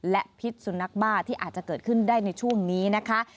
และพิษสุนัขบ้าที่อาจจะเกิดขึ้นได้ในช่วงนี้นะคะ